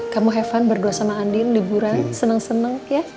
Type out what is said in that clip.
kamu have fun berdua sama andin liburan senang senang ya